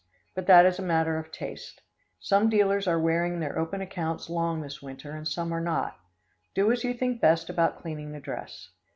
But that is a matter of taste. Some dealers are wearing their open accounts long this winter and some are not. Do as you think best about cleaning the dress.